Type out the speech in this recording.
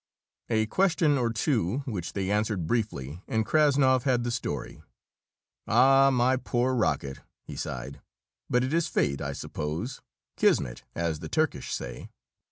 A question or two, which they answered briefly, and Krassnov had the story. "Ah, my poor rocket!" he sighed. "But it is fate, I suppose; Kismet, as the Turkish say.